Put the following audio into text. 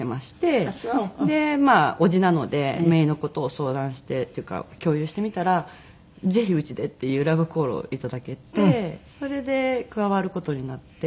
まあ叔父なので姪の事を相談してっていうか共有してみたらぜひうちでっていうラブコールをいただけてそれで加わる事になって。